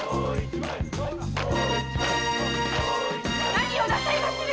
何をなさいまする！